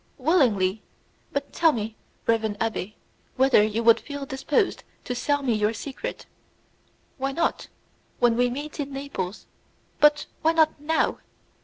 "Willingly; but tell me, reverend abbé, whether you would feel disposed to sell me your secret?" "Why not? When we meet in Naples " "But why not now?"